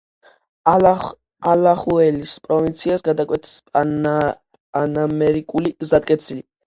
ალახუელის პროვინციას გადაკვეთს პანამერიკული გზატკეცილი.